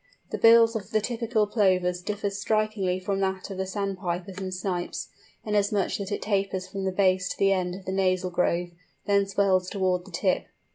The bill of the typical Plovers differs strikingly from that of the Sandpipers and Snipes, inasmuch that it tapers from the base to the end of the nasal groove, then swells towards the tip.